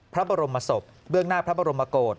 พระบรมศพเบื้องหน้าพระบรมโกศ